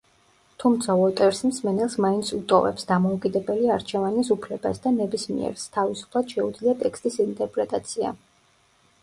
თუმცა, უოტერსი მსმენელს მაინც უტოვებს დამოუკიდებელი არჩევანის უფლებას და ნებისმიერს თავისუფლად შეუძლია ტექსტის ინტერპრეტაცია.